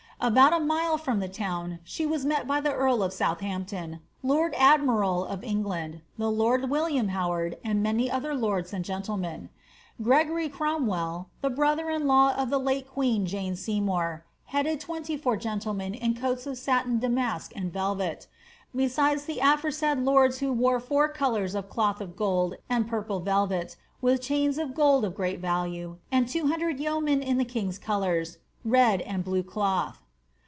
About a mile from the town she was met by the earl of Southampton, lord admiral of England, the lord William Howard, and many other lords and gentlemen. Gregory Cromwell (the brother in law of the late queen Jane Seymour) headed twenty four gentlemen in coats of satin damask and velvet, besides the aforesaid lords who wore four colours of cloth of gold and purple velvet, with chains of gold of great value, and two hundred yeomen in the king^s colours, red and blue cloth.'